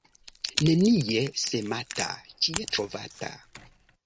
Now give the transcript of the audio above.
Nenie semata, ĉie trovata.